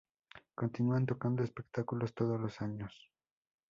Continúan tocando espectáculos todos los años.